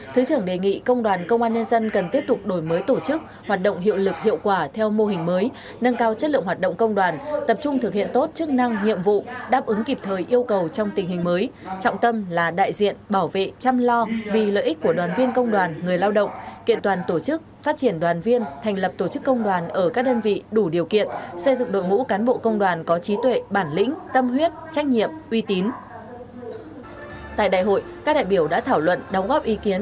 thứ trưởng đề nghị công đoàn công an nhân dân cần tiếp tục đổi mới tổ chức hoạt động hiệu lực hiệu quả theo mô hình mới nâng cao chất lượng hoạt động công đoàn tập trung thực hiện tốt chức năng nhiệm vụ đáp ứng kịp thời yêu cầu trong tình hình mới trọng tâm là đại diện bảo vệ chăm lo vì lợi ích của đoàn viên công đoàn người lao động kiện toàn tổ chức phát triển đoàn viên thành lập tổ chức công đoàn ở các đơn vị đủ điều kiện xây dựng đội ngũ cán bộ công đoàn có trí tuệ bản lĩnh tâm huy